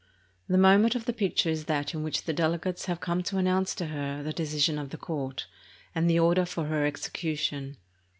The moment of the picture is that in which the delegates have come to announce to her the decision of the court and the order for her execution.